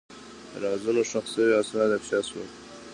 د رازونو ښخ شوي اسناد افشا شول.